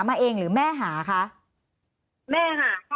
มันเป็นอาหารของพระราชา